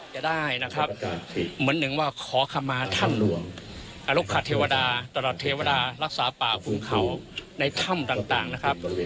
จะได้นะครับเหมือนหนึ่งว่าขอคำมาท่านหลวงอรุขเทวดาตลอดเทวดารักษาป่าฝุงเขาในถ้ำต่างนะครับ